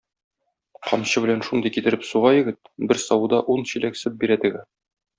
Камчы белән шундый китереп суга егет, бер савуда ун чиләк сөт бирә теге.